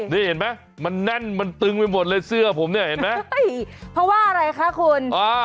นี่เห็นไหมมันแน่นมันตึงไปหมดเลยเสื้อผมเนี่ยเห็นไหมเพราะว่าอะไรคะคุณ